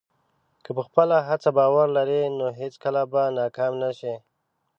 که په خپله هڅه باور لرې، نو هېڅکله به ناکام نه شې.